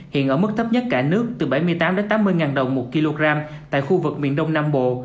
hiện ở mức thấp nhất cả nước từ bảy mươi tám tám mươi đồng một kg tại khu vực miền đông nam bộ